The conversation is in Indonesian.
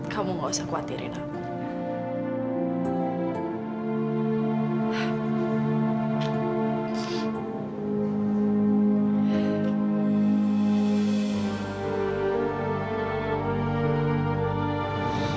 kamu gak usah khawatirin aku